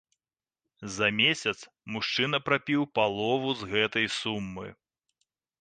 За месяц мужчына прапіў палову з гэтай сумы.